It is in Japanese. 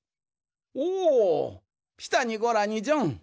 おおピタにゴラにジョン。